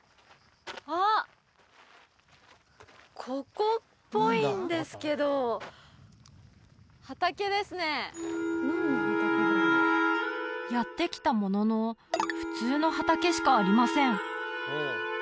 ここっぽいんですけど畑ですねやって来たものの普通の畑しかありません